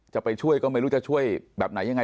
จะไปช่วยก็ไม่รู้จะช่วยแบบไหนยังไง